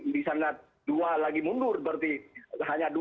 misalnya dua lagi mundur berarti hanya dua